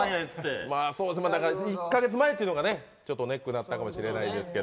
１カ月前というのがちょっとネックだったかもしれないですけど。